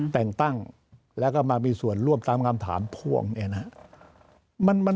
แต่งตั้งแล้วก็มามีส่วนร่วมตามคำถามพ่วงเนี่ยนะครับ